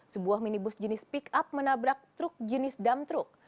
sebuah minibus jenis pick up menabrak truk jenis dam truk